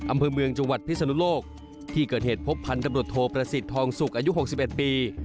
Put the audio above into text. อำเภอเมืองจังหวัดพิศนุโลกที่เกิดเหตุพบพันธบรวจโทประสิทธิ์ทองสุกอายุ๖๑ปี